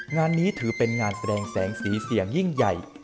งานนี้ถือเป็นงานแสดงแสงสีเสียงยิ่งใหญ่